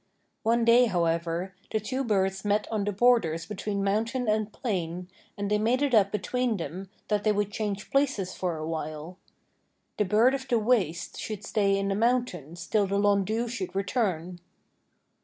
One day, however, the two birds met on the borders between mountain and plain, and they made it up between them that they would change places for a while. The Bird of the Waste should stay in the mountains till the Lhondoo should return.